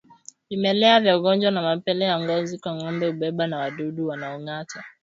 Vimelea vya ugonjwa wa mapele ya ngozi kwa ngombe hubebwa na wadudu wanaongata